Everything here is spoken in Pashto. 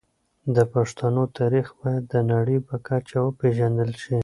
د پښتنو تاريخ بايد د نړۍ په کچه وپېژندل شي.